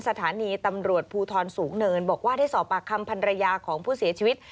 สถานีตำรวจภูทรสูงเนินบอกว่าได้สอบปากคำพันรยาของผู้เสียชีวิต